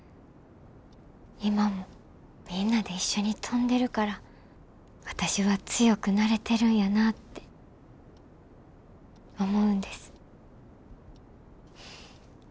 今もみんなで一緒に飛んでるから私は強くなれてるんやなって思うんです。